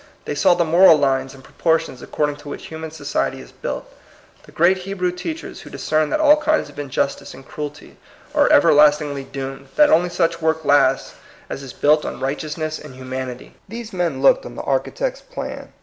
They saw the moral lines and proportions accord ing to which human society is built. The great Hebrew teachers who discerned that all kinds of injustice and cruelty are ever lastingly doomed, that only such work lasts THE HAPPY LIFE. 201 as is built on righteousness and humanity, — those men looked on the Architect's plan.